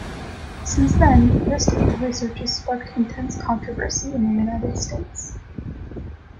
Since then, this type of research has sparked intense controversy in the United States.